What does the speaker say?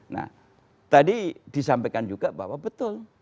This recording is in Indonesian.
nah tadi disampaikan juga bahwa betul